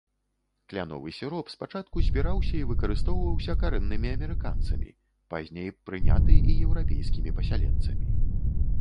Кляновы сіроп спачатку збіраўся і выкарыстоўваўся карэннымі амерыканцамі, пазней прыняты і еўрапейскімі пасяленцамі.